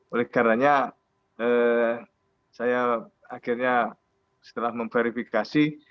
oleh karenanya saya akhirnya setelah memverifikasi